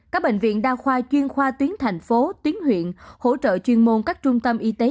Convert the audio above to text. các bệnh viện đa khoa chuyên khoa tuyến thành phố tuyến huyện hỗ trợ chuyên môn các trung tâm y tế